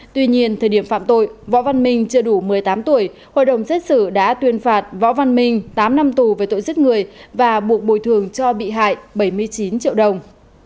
tuy nhiên thời điểm phạm tội võ văn minh chưa đủ một mươi tám tuổi hội đồng xét xử đã tuyên phạt võ văn minh tám năm tù về tội giết người và buộc bồi thường cho bị hại bảy mươi chín triệu đồng